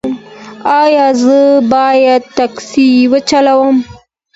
ایا زه باید ټکسي وچلوم؟